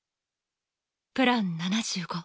プラン７５。